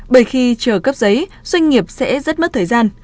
bởi khi chờ cấp giấy doanh nghiệp sẽ rất mất thời gian